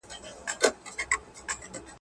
دا دریمه ده له درده چي تاویږي ,